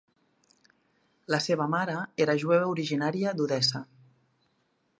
La seva mare era jueva originària d'Odessa.